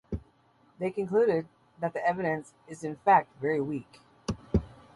They concluded that the evidence is in fact very weak.